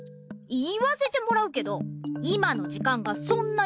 言わせてもらうけど今の時間がそんなにだいじ？